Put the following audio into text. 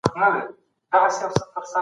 ذهني نظم په رامنځته کولو کې مرسته کوي.